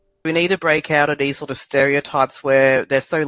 kita perlu memisahkan stereotip stereotip ini yang sangat terbatas